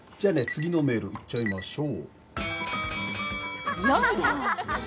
次のメールいっちゃいましょう４秒